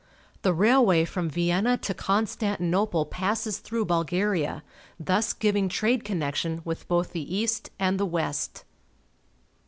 The railway from Vienna to Constantinople passes through Bulgaria, thus giving trade connection with both the east and the west.